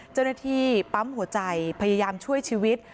เจ้าหน้าที่ปั๊มหัวใจพยายามช่วยชีวิต